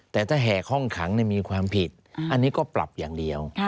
แต่ถ้าแห่ห้องขังมีความผิดอันนี้ก็ปรับอย่างเดียว